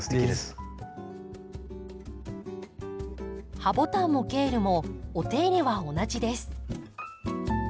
ハボタンもケールもお手入れは同じです。